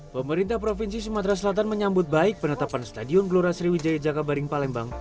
pemerintah provinsi sumatera selatan menyambut baik penetapan stadion gelora sriwijaya jakabaring palembang